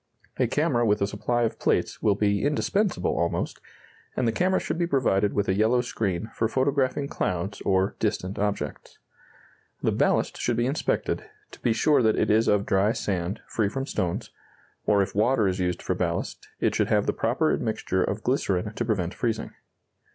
A camera with a supply of plates will be indispensable almost, and the camera should be provided with a yellow screen for photographing clouds or distant objects. The ballast should be inspected, to be sure that it is of dry sand, free from stones; or if water is used for ballast, it should have the proper admixture of glycerine to prevent freezing.